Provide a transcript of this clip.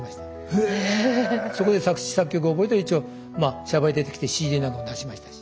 そこで作詞作曲覚えて一応シャバへ出てきてＣＤなんかも出しましたし。